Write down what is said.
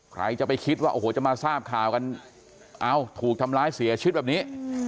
ใครจะไปคิดว่าโอ้โหจะมาทราบข่าวกันเอ้าถูกทำร้ายเสียชีวิตแบบนี้